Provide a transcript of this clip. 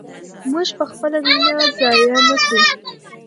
موږ به خپله وینه ضایع نه کړو.